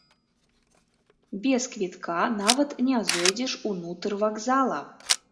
Без квітка нават не зойдзеш унутр вакзала!